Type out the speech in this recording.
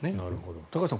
高橋さん